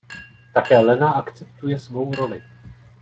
Také Lena akceptuje svou roli.